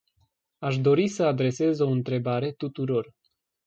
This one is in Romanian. Aș dori să adresez o întrebare tuturor.